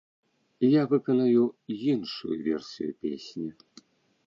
Я выканаю іншую версію песні.